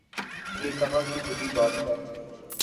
یہ کہاں کی بری بات ہے؟